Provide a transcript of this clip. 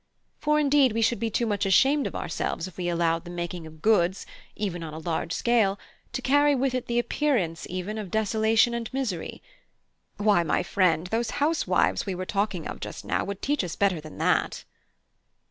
For, indeed, we should be too much ashamed of ourselves if we allowed the making of goods, even on a large scale, to carry with it the appearance, even, of desolation and misery. Why, my friend, those housewives we were talking of just now would teach us better than that."